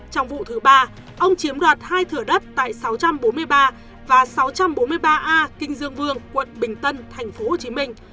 trong vụ thứ ba ông chiếm đoạt hai thửa đất tại sáu trăm bốn mươi ba và sáu trăm bốn mươi ba a kinh dương vương quận bình tân tp hcm